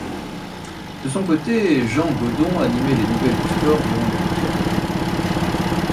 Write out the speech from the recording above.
De son côté, Jean Godon animait les nouvelles du sport durant le weekend.